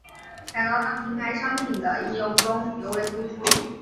在高档名牌商品的应用中尤为突出。